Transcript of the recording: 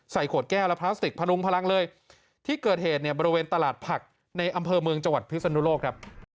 ขวดแก้วและพลาสติกพนุงพลังเลยที่เกิดเหตุเนี่ยบริเวณตลาดผักในอำเภอเมืองจังหวัดพิศนุโลกครับ